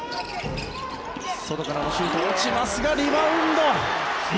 外からのシュート落ちますが、リバウンド。